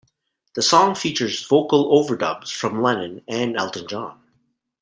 The song features vocal overdubs from Lennon and Elton John.